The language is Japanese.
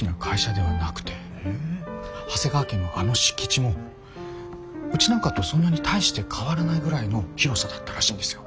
長谷川家のあの敷地もうちなんかとそんなに大して変わらないぐらいの広さだったらしいんですよ。